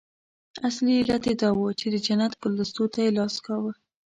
اصلي علت یې دا وو چې د جنت ګلدستو ته یې لاس کاوه.